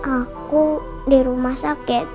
aku di rumah sakit